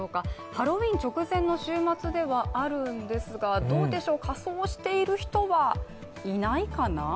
ハロウィーン直前の週末ではあるんですがどうでしょう、仮装している人はいないかな？